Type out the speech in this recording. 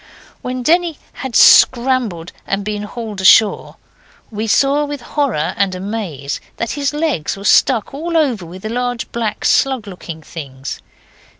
When Denny had scrambled and been hauled ashore, we saw with horror and amaze that his legs were stuck all over with large black, slug looking things.